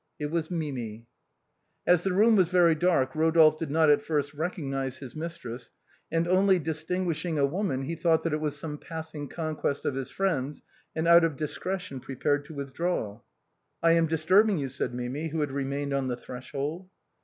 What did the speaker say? It was Mimi. As the room was very dark Eodolphe did not at first recognize his mistress, and only distinguishing a woman, he thought that it was some passing conquest of his friend's, and out of discretion prepared to withdraw. " I am disturbing you," said Mimi, who had remained on the threshold.